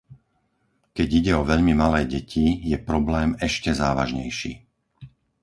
Keď ide o veľmi malé deti, je problém ešte závažnejší.